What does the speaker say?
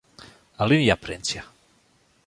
Alinea printsje.